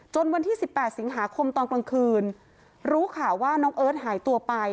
วันที่๑๘สิงหาคมตอนกลางคืนรู้ข่าวว่าน้องเอิร์ทหายตัวไป